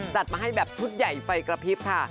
จัดมาให้แบบชุดใหญ่ไฟกระพริบค่ะ